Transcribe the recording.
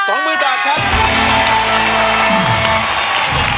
สองหมื่นบาทครับ